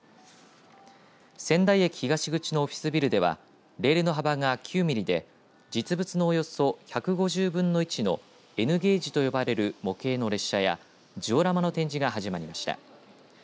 仙台駅東口のオフィスビルではレールの幅が９ミリで実物のおよそ１５０分の１のＮゲージと呼ばれる模型の列車やジオラマの展示が始まりました。